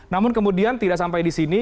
namun kemudian tidak sampai di sini